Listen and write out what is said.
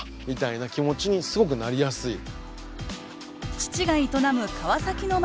父が営む川崎の町